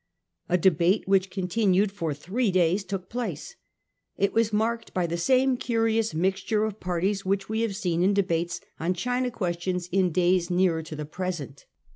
A debate which continued for three days took place. It was marked by the same curious mix ture of parties which we have seen in debates on China questions in days nearer to the present.